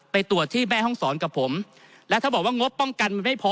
ไปตรวจที่แม่ห้องศรกับผมและถ้าบอกว่างบป้องกันมันไม่พอ